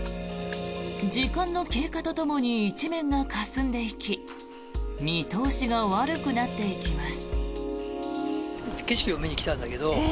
時間の経過とともに一面がかすんでいき見通しが悪くなっていきます。